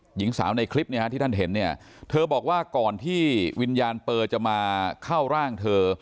หญิงสาวในคลิปที่ท่านเห็นเธอบอกว่าก่อนที่วิญญาณเปอจะมาเข้าร่างเธอ